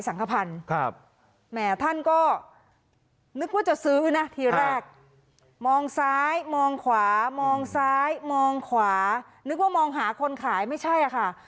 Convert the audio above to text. แหมท่านก็นึกว่าจะซื้อนะทีแรกมองซ้ายมองขวามองซ้ายมองขวานึกว่ามองหาคนขายไม่ใช่ค่ะ